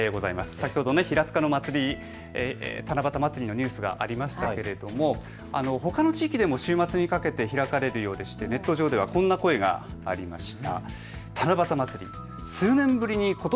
先ほど平塚の祭り、七夕まつりのニュースがありましたけれどもほかの地域でも週末にかけて開かれるようでしてネット上ではこんな声がありました。